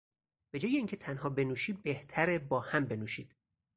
به جای اینکه تنها بنوشی بهتره با هم بنوشید